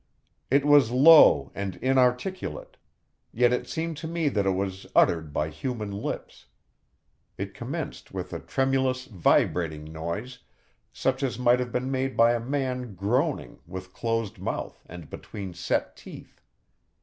It was low and inarticulate, yet it seemed to me that it was uttered by human lips. It commenced with a tremulous, vibrating noise, such as might have been made by a man groaning with closed mouth and between set teeth.